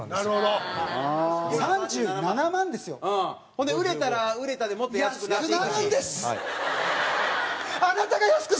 蛍原：ほんで、売れたら売れたでもっと安くなっていくし。